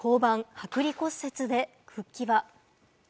剥離骨折で復帰は。